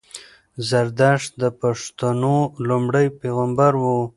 زردښت د پښتنو لومړی پېغمبر وو